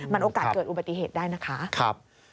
มันโอกาสเกิดอุบัติเหตุได้นะคะ